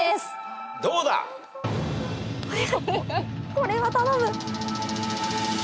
これは頼む！